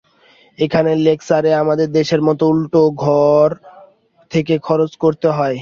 এখানে লেকচারে আমাদের দেশের মত উল্টে ঘর থেকে খরচ করতে হয়।